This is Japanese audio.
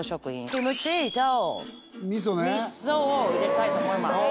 キムチとみそを入れたいと思います。